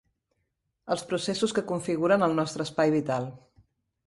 Els processos que configuren el nostre espai vital.